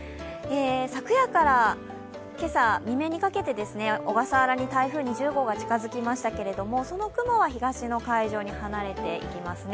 昨夜から今朝未明にかけて小笠原に台風２０号が近づきましたけどその雲は東の海上に離れていきますね。